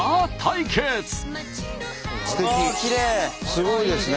すごいですね。